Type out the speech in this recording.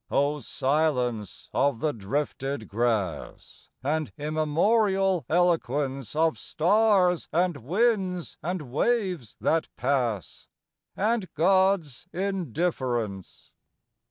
O silence of the drifted grass! And immemorial eloquence Of stars and winds and waves that pass! And God's indifference!